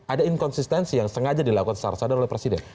ada inkonsistensi yang sengaja dilakukan secara sadar oleh presiden